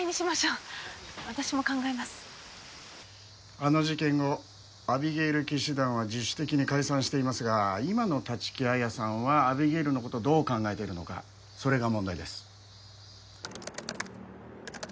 あの事件後アビゲイル騎士団は自主的に解散していますが今の立木彩さんはアビゲイルの事どう考えているのかそれが問題です。